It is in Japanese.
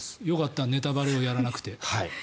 よかったネタバレをやらなくて。